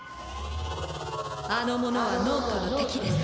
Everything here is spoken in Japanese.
あの者は脳人の敵です。